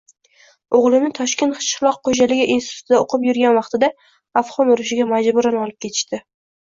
Oʻgʻlimni Toshkent Qishloq xoʻjaligi institutida oʻqib yurgan vaqtida Afgʻon urushiga majburan olib ketishdi.